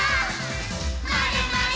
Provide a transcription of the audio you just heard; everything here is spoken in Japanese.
「まるまる」